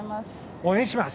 応援します！